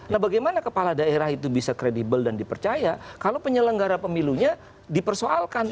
nah bagaimana kepala daerah itu bisa kredibel dan dipercaya kalau penyelenggara pemilunya dipersoalkan